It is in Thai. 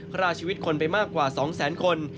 พลาดชีวิตคนไปมากกว่า๒๐๐๐๐๐คน